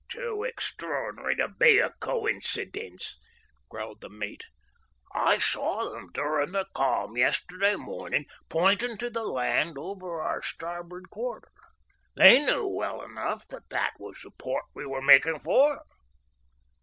"Too extraordinary to be a coincidence," growled the mate. "I saw them during the calm yesterday morning, pointing to the land over our starboard quarter. They knew well enough that that was the port they were making for."